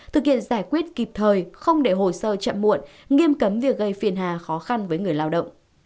thực hiện giải quyết kịp thời không để hồ sơ chậm muộn nghiêm cấm việc gây phiền hà khó khăn với người lao động